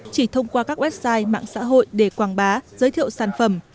chỉ thông qua các website mạng xã hội để quảng bá giới thiệu sản phẩm